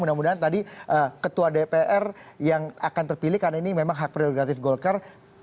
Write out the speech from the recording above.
mudah mudahan tadi ketua dpr yang akan terpilih karena ini memang hak prerogatif golkar